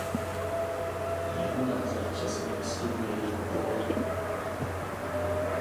Jeho název přesně vystihuje jeho polohu.